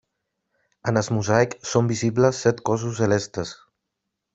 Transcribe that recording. En el mosaic són visibles set cossos celestes.